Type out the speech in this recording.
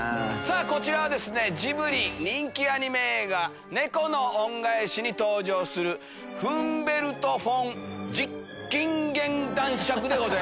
こちらはジブリ人気アニメ映画『猫の恩返し』に登場するフンベルト・フォン・ジッキンゲン男爵です。